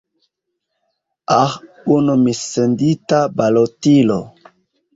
Aĥ, unu missendita balotilo.